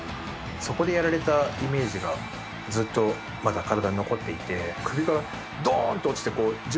そこでやられたイメージがずっとまだ体に残っていて。